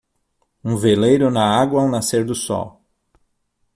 Um veleiro na água ao nascer do sol.